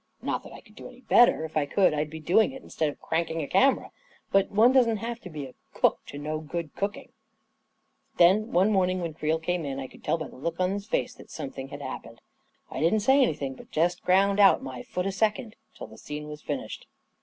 Not that I could do any better — if I could, I'd be doing it instead of jranking a camera. But one doesn't have to be a to know good cooking ! 'hen one morning when Creel came in, I could [ell by the look on his face that something had hap / 8 A KING IN BABYLON pened. I didn't say anything, but just ground out my foot a second till the scene was finished.